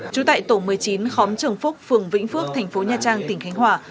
trú tại tổ một mươi chín khóm trường phúc phường vĩnh phước thành phố nha trang tỉnh khánh hòa